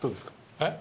えっ？